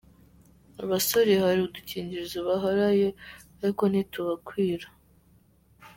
Abasore hari udukingirizo baharaye ariko ntitubakwira.